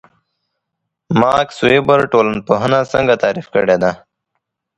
ماکس وِبر ټولنپوهنه څنګه تعریف کړې ده؟